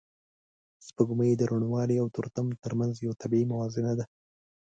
سپوږمۍ د روڼوالی او تورتم تر منځ یو طبیعي موازنه ده